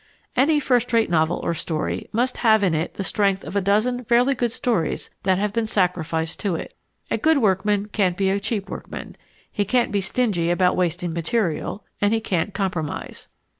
Any first rate novel or story must have in it the strength of a dozen fairly good stories that have been sacrificed to it. A good workman can't be a cheap workman; he can't be stingy about wasting material, and he cannot compromise.